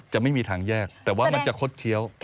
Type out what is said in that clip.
ไม่มีทางแยกแต่ว่ามันจะคดเคี้ยว